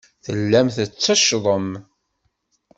Tellam tetteccḍem.